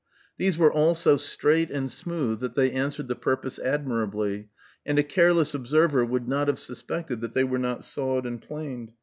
These were all so straight and smooth, that they answered the purpose admirably, and a careless observer would not have suspected that they were not sawed and planed.